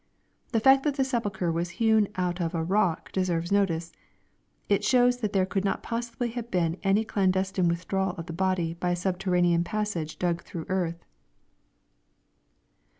The fact that the sepulchre was hewn out of a rock deserves notice. It shows that there could not possibly have been any clandestine withdrawal of the body by a subterraneous passage dug through earth.